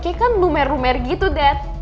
kayaknya kan lumer lumer gitu dad